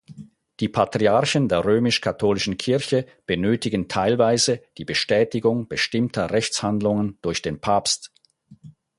Die Patriarchen der römisch-katholischen Kirche benötigen teilweise die Bestätigung bestimmter Rechtshandlungen durch den Papst.